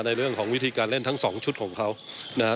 ในเรื่องของวิธีการเล่นทั้งสองชุดของเขานะครับ